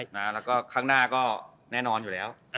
แล้วก็ข้างหน้าก็แน่นอนอยู่แล้ว